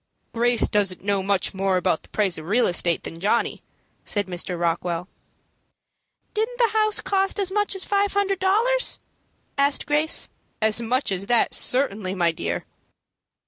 "Grace doesn't know much more about the price of real estate than Johnny," said Mr. Rockwell. "Didn't the house cost as much as five hundred dollars?" asked Grace. "As much as that certainly, my dear."